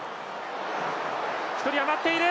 １人余っている！